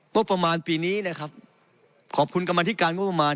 งบประมาณปีนี้นะครับขอบคุณกรรมธิการงบประมาณ